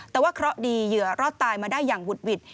แต่ว่าเคราะห์ดีเหยื่อรอดตายมาได้อย่างหุดหวิด